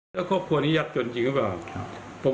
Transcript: แล้วครอบครัวนี้ยากจนจริงหรือเปล่า